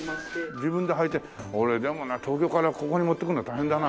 自分ではいて俺でもな東京からここに持ってくるのは大変だな。